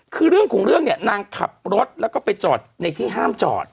คือเรื่องของเรื่องเนี่ยนางขับรถแล้วก็ไปจอดในที่ห้ามจอด